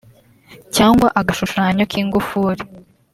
cyangwa agashushanyo k’ingufuri)